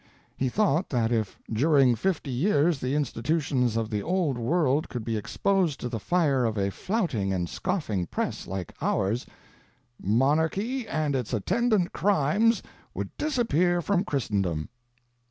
He thought that if during fifty years the institutions of the old world could be exposed to the fire of a flouting and scoffing press like ours, "monarchy and its attendant crimes would disappear from Christendom."